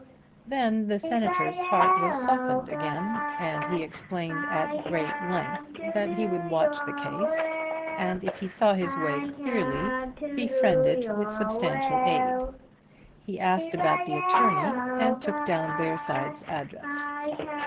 Then the Senator's heart was softened again and he explained at great length that he would watch the case and if he saw his way clearly, befriend it with substantial aid. He asked about the attorney and took down Bearside's address.